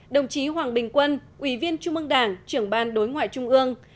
đồng chí hoàng bình quân ủy viên trung ương đảng trưởng ban đối ngoại trung ương